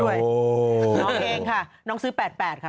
น้องเองค่ะน้องซื้อ๘๘ค่ะ